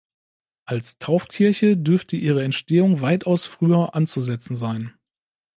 Als Taufkirche dürfte ihre Entstehung weitaus früher anzusetzen sein.